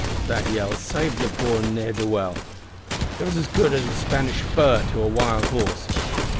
That yell saved the poor ne'er do well. It was as good as a Spanish spur to a wild horse.